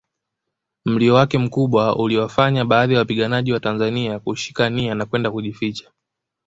Mlio wake mkubwa uliwafanya baadhi ya wapiganaji watanzania kushika nia na kwenda kujificha